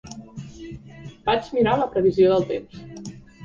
Vaig mirar la previsió del temps.